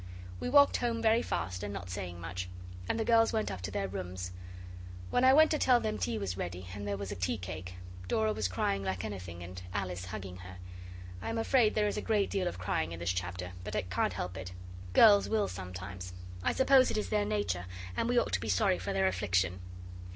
We walked home very fast and not saying much, and the girls went up to their rooms. When I went to tell them tea was ready, and there was a teacake, Dora was crying like anything and Alice hugging her. I am afraid there is a great deal of crying in this chapter, but I can't help it. Girls will sometimes; I suppose it is their nature, and we ought to be sorry for their affliction.